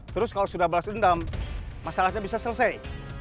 terus kalau sudah balas dendam masalahnya bisa selesai